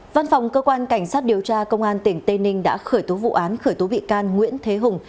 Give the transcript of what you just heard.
văn phòng cơ quan cảnh sát điều tra công an tỉnh tây ninh đã khởi tố vụ án khởi tố bị can nguyễn thế hùng